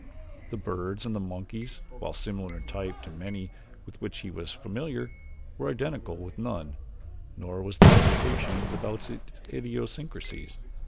The birds and the monkeys, while similar in type to many with which he was familiar, were identical with none, nor was the vegetation without its idiosyncrasies.